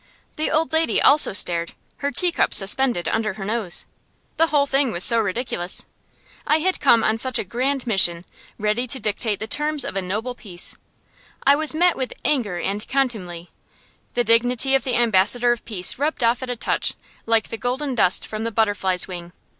The old lady also stared, her teacup suspended under her nose. The whole thing was so ridiculous! I had come on such a grand mission, ready to dictate the terms of a noble peace. I was met with anger and contumely; the dignity of the ambassador of peace rubbed off at a touch, like the golden dust from the butterfly's wing.